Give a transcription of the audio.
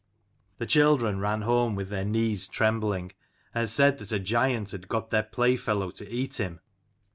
The children ran home with their knees trembling, and said that a giant had got their playfellow to eat him.